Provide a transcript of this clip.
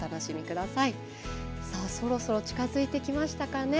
そろそろ近づいてきましたかね。